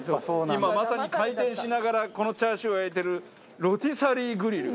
今まさに回転しながらこのチャーシューを焼いてるロティサリーグリル。